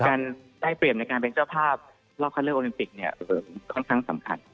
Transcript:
การได้เปรียบในการเป็นเจ้าภาพรอบคัดเลือกโอลิมปิกเนี่ยค่อนข้างสำคัญ